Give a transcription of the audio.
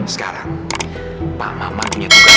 sekarang pak maman punya tugas dari saya